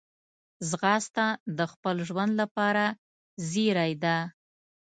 ځغاسته د خپل ژوند لپاره زېری ده